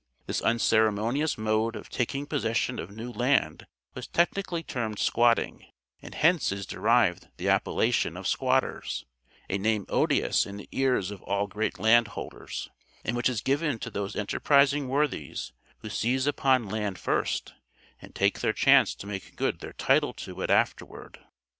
This unceremonious mode of taking possession of new land was technically termed squatting, and hence is derived the appellation of squatters, a name odious in the ears of all great landholders, and which is given to those enterprising worthies who seize upon land first, and take their chance to make good their title to it afterward.